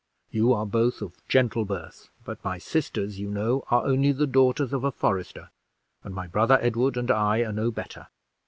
You are both of gentle birth, but my sisters, you know, are only the daughters of a forester, and my brother Edward and I are no better.